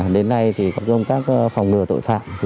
đến nay thì có dùng các phòng ngừa tội phạm